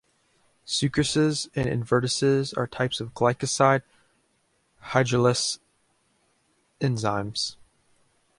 Sucrases and invertases are types of glycoside hydrolase enzymes.